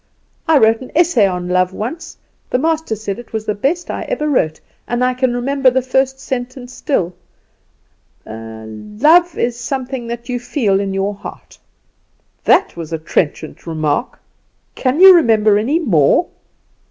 I wrote an essay on love once; the master said it was the best I ever wrote, and I can remember the first sentence still 'Love is something that you feel in your heart.'" "That was a trenchant remark. Can't you remember any more?"